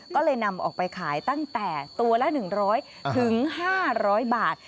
ก็เลยนำออกไปขายตั้งแต่ตัวละ๑๐๐๕๐๐บาท